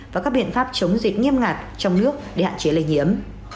và các biện pháp chống dịch nghiêm ngặt trong nước để hạn chế lây nhiễm